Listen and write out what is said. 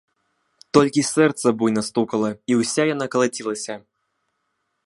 Толькі сэрца буйна стукала, і ўся яна калацілася.